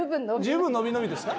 十分伸び伸びですか？